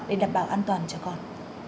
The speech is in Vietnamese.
để đảm bảo an toàn cho con